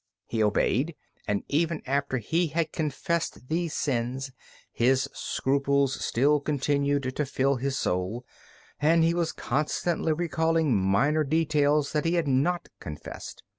He obeyed, and even after he had confessed these sins, his scruples still continued to fill his soul, and he was constantly recalling minor details that he had not confessed.